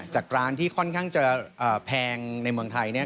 จากร้านที่ค่อนข้างจะแพงในเมืองไทยเนี่ย